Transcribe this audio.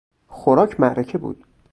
خوراک معرکه بود.